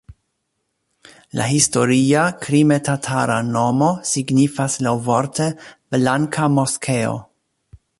La historia krime-tatara nomo signifas laŭvorte "blanka moskeo".